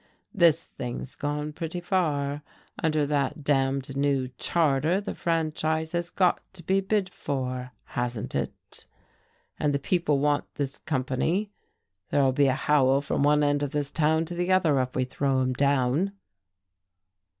"This thing's gone pretty far. Under that damned new charter the franchise has got to be bid for hasn't it? And the people want this company. There'll be a howl from one end of this town to the other if we throw 'em down."